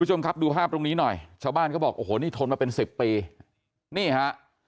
คุณผู้ชมครับดูภาพตรงนี้หน่อยชาวบ้านเขาบอกโอ้โหนี่ทนมาเป็นสิบปีนี่ฮะ